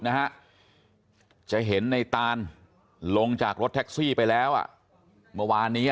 นะฮะจะเห็นในตานลงจากรถแท็กซี่ไปแล้วอ่ะเมื่อวานนี้